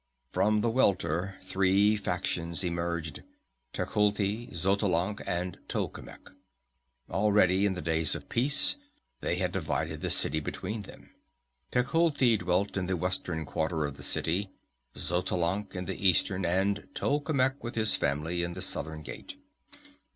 From the welter three factions emerged Tecuhltli, Xotalanc, and Tolkemec. Already, in the days of peace, they had divided the city between them. Tecuhltli dwelt in the western quarter of the city, Xotalanc in the eastern, and Tolkemec with his family by the southern gate.